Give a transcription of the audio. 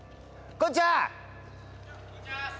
こんにちはっす。